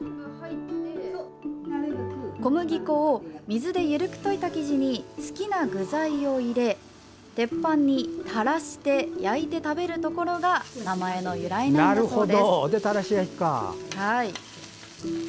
小麦粉を水でゆるく溶いた生地に好きな具材を入れ鉄板にたらして焼いて食べるところが名前の由来なんだそうです。